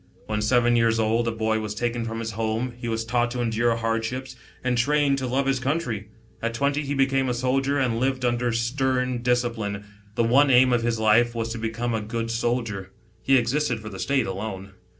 When seven years old, a boy was taken from his home, he was taught to endure hardships, and trained to love his country. At twenty he be came a soldier and lived under stern discipline. The one aim of his life, was to become a good soldier ; he existed for the State alone.